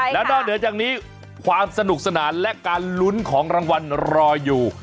แล้วนอกเหนือจากนี้ความสนุกสนานและการลุ้นของรางวัลรออยู่